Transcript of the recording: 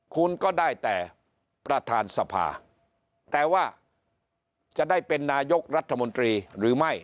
คุณก็ได้แต่ประธานสภาแต่ว่าจะได้เป็นนายกรัฐมนตรีหรือไม่